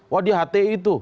wah di hti itu